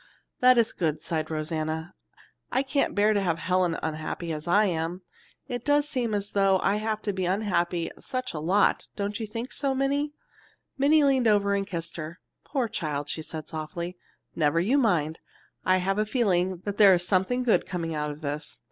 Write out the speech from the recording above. "That is good," sighed Rosanna. "I can't bear to have Helen unhappy as I am. It does seem as though I have to be unhappy such a lot, don't you think so, Minnie?" Minnie leaned over and kissed her. "Poor child!" she said softly. "Never you mind! I have a feeling that there is something good coming out of this.